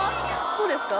どうですか？